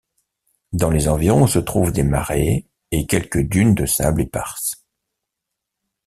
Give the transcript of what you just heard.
Dans les environs se trouvent des marais et quelques dunes de sable éparses.